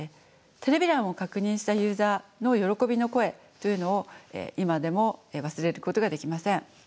テレビ欄を確認したユーザーの喜びの声というのを今でも忘れることができません。